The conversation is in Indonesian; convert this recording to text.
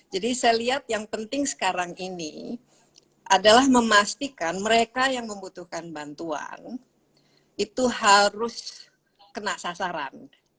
jadi saya lihat yang penting sekarang ini adalah memastikan mereka yang membutuhkan bantuan itu harus kena sasaran